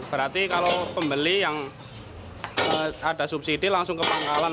berarti kalau pembeli yang ada subsidi langsung ke pangkalan